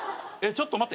ちょっと待って。